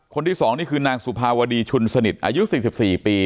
คนที่สองนี่คือนางสุภาวดีชุนสนิทอายุสิบสิบสี่ปี